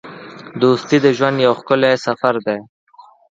دوستي د ژوند یو ښکلی سفر دی.